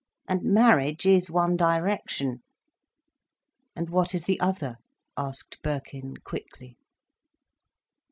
And marriage is one direction—" "And what is the other?" asked Birkin quickly.